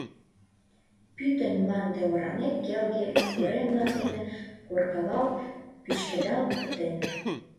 Пӱтынь мланде оранек келге корем-влак дене коркалалт, пӱчкедалт пытен.